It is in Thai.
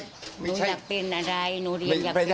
หนูอยากเป็นอะไรหนูเรียนอยากเป็นอะไร